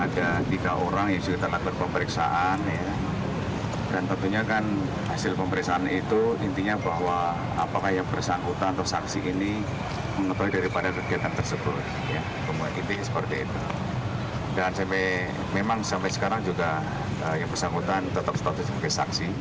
yang bersangkutan tetap status sebagai saksi